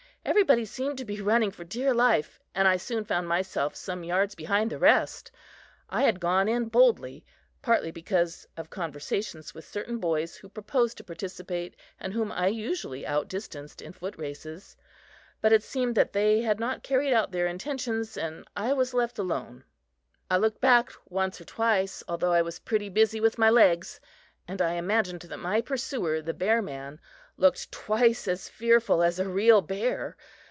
Everybody seemed to be running for dear life, and I soon found myself some yards behind the rest. I had gone in boldly, partly because of conversations with certain boys who proposed to participate, and whom I usually outdistanced in foot races. But it seemed that they had not carried out their intentions and I was left alone. I looked back once or twice, although I was pretty busy with my legs, and I imagined that my pursuer, the bear man, looked twice as fearful as a real bear.